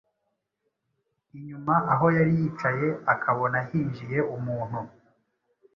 inyuma aho yari yicaye, akabona hinjiye umuntu,